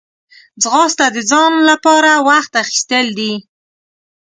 ځغاسته د ځان لپاره وخت اخیستل دي